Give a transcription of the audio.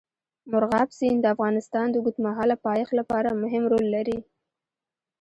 مورغاب سیند د افغانستان د اوږدمهاله پایښت لپاره مهم رول لري.